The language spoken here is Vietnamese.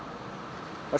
sau đó là